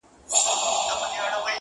زه پر خپلي ناشکرۍ باندي اوس ژاړم!!